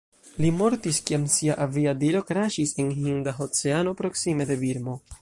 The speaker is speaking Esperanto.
Li mortis kiam sia aviadilo kraŝis en Hinda Oceano proksime de Birmo.